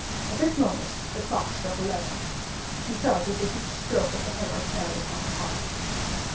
At this moment the clock struck eleven. He felt as if each stroke of the hammer fell upon his heart.